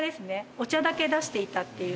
お茶だけ出していたっていう。